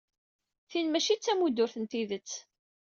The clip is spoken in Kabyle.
Tin maci d tamudrut n tidet.